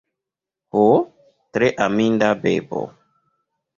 Ho, tre aminda bebo!